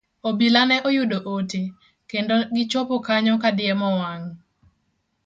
Obila ne oyudo ote, kendo gichopo kanyo ka diemo wang'.